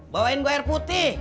bawain gue air putih